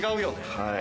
はい。